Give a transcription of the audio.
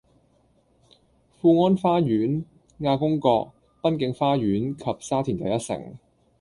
富安花園、亞公角、濱景花園及沙田第一城，